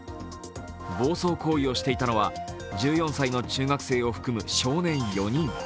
暴走行為をしていたのは１４歳の中学生を含む少年４人。